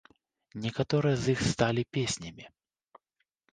Некаторыя з іх сталі песнямі.